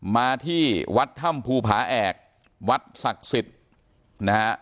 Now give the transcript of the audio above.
มาที่วัดถ้ำภูผาแอกวัดศักดิ์สิทธิ์นะฮะ